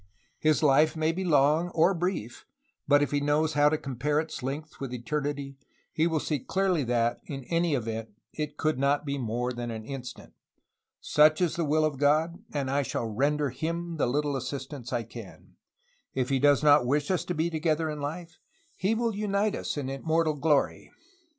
His life may be long or brief, but if he knows how to compare its length with eternity, he will see clearly that, in any event, it could not be more than an instant. Such is the will of God, and I shall render Him the little assistance I can; if He does not wish us to be to gether in this life, He will unite us in immortal glory.